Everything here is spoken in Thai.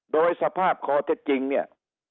โดยสภาพข้อเท็จจริงเนี่ย